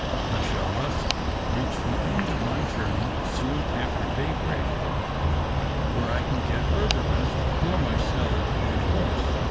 I shall thus reach the end of my journey soon after daybreak, where I can get further rest for myself and horse."